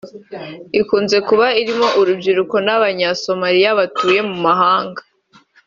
ikunze kuba irimo urubyiruko n’abanya-Somalia batuye mu mahanga